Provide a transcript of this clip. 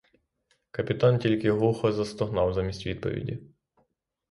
Капітан тільки глухо застогнав замість відповіді.